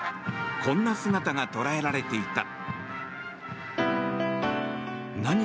こんな姿が捉えられていた。